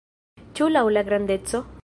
Ĉu laŭ la grandeco?